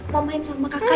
mau main sama kakak ya